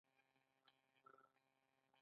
خو دلته اوس یوه مهمه پوښتنه پیدا کېږي